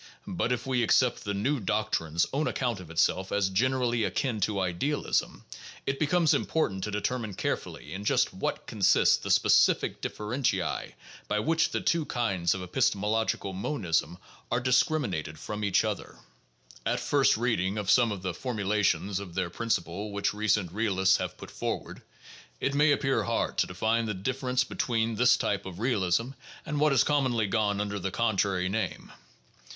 But if we accept the new doctrine's own account of itself as gener ically akin to idealism, it becomes important to determine carefully in just what consist the specific differentiae, by which the two kinds of epistemological monism are discriminated from each other. l Mind, July, 1910. 589 590 THE JOURNAL OF PHILOSOPHY At first reading of some of the formulations of their principle which recent realists have put forward, it may appear hard to de fine the difference between this type of realism and what has com monly gone under the contrary name.